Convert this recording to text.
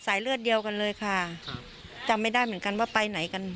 เลือดเดียวกันเลยค่ะครับจำไม่ได้เหมือนกันว่าไปไหนกัน